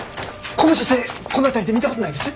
この女性この辺りで見たことないです？